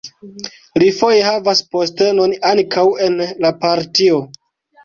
Li foje havas postenon ankaŭ en la partio.